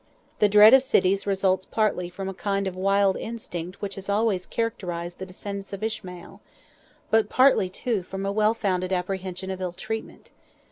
The dread of cities results partly from a kind of wild instinct which has always characterised the descendants of Ishmael, but partly too from a well founded apprehension of ill treatment.